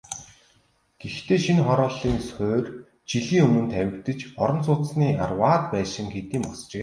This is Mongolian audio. Гэхдээ шинэ хорооллын суурь жилийн өмнө тавигдаж, орон сууцны арваад байшин хэдийн босжээ.